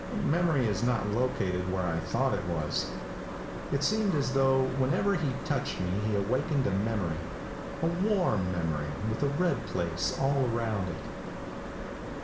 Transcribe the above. Memory is not located where I thought it was. It seemed as though whenever he touched me he awakened a memory a warm memory with a red place all around it.